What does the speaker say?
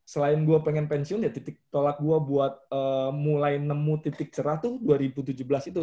selain gue pengen pensiun ya titik tolak gue buat mulai nemu titik cerah tuh dua ribu tujuh belas itu